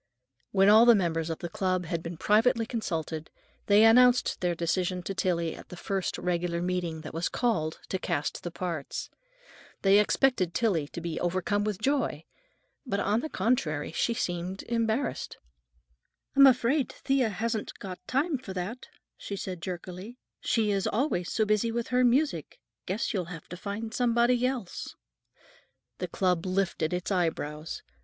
When all the members of the club had been privately consulted, they announced their decision to Tillie at the first regular meeting that was called to cast the parts. They expected Tillie to be overcome with joy, but, on the contrary, she seemed embarrassed. "I'm afraid Thea hasn't got time for that," she said jerkily. "She is always so busy with her music. Guess you'll have to get somebody else." The club lifted its eyebrows.